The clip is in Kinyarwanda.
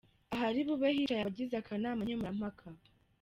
Ahari bube hicaye abagize akanama nkemurampaka.